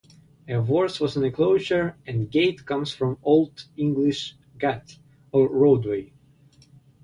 A "worth" was an enclosure, and "gate" comes from Old English "gat", or roadway.